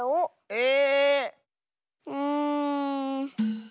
え⁉うん。